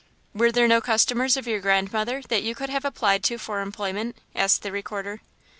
"Were there no customers of your grandmother that you could have applied to for employment?" asked the Recorder.